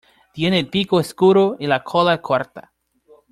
Tienen el pico oscuro y la cola corta.